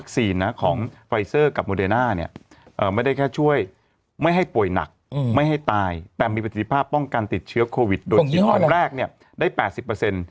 แต่มีประสิทธิภาพป้องกันติดเชื้อโควิดโดยสิทธิภาพแรกเนี่ยได้๘๐เปอร์เซ็นต์